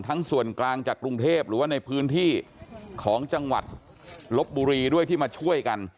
ส่วนกลางจากกรุงเทพหรือว่าในพื้นที่ของจังหวัดลบบุรีด้วยที่มาช่วยกัน